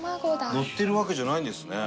のってるわけじゃないんですね。